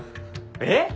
えっ⁉